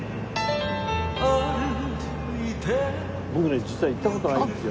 僕ね実は行った事ないんですよ。